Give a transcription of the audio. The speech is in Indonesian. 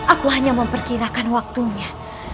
aku hanya memperkirakan waktunya